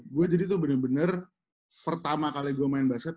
gue jadi tuh bener bener pertama kali gue main basket